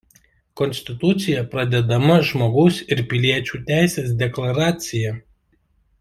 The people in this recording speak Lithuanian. Konstitucija pradedama Žmogaus ir piliečio teisių deklaracija.